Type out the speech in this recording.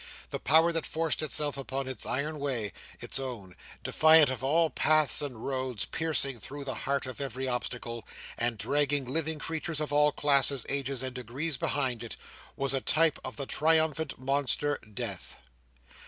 The power that forced itself upon its iron way—its own—defiant of all paths and roads, piercing through the heart of every obstacle, and dragging living creatures of all classes, ages, and degrees behind it, was a type of the triumphant monster, Death.